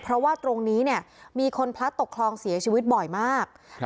เพราะว่าตรงนี้เนี่ยมีคนพลัดตกคลองเสียชีวิตบ่อยมาก